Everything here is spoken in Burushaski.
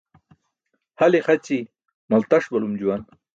Hal ixaći maltaṣ balum juwan.